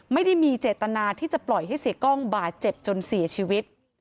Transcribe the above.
ไม่ได้มีเจตนาที่จะปล่อยให้เสียกล้องบาดเจ็บจนเสียชีวิต